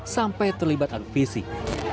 sampai terlibat adu fisik